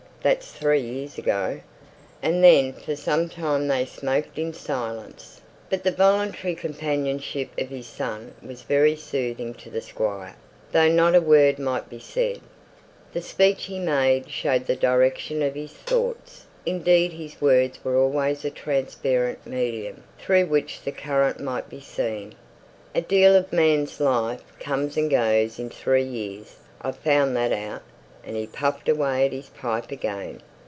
That's three years ago." And then for some time they smoked in silence. But the voluntary companionship of his son was very soothing to the Squire, though not a word might be said. The next speech he made showed the direction of his thoughts; indeed, his words were always a transparent medium through which the current might be seen. "A deal of a man's life comes and goes in three years I've found that out;" and he puffed away at his pipe again.